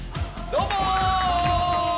どうもー！